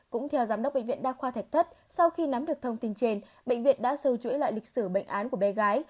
cũng theo giám đốc bệnh viện đa khoa thạch thất sau khi nắm được thông tin trên bệnh viện đã sâu chuỗi lại lịch sử bệnh án của bé gái